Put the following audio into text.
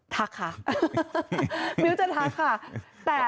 ทักค่ะมิ้วจะทักค่ะ